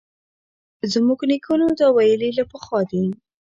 زموږ نیکونو دا ویلي له پخوا دي